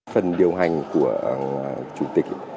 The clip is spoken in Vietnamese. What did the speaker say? phần điều hành của chủ tịch